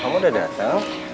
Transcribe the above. kamu udah datang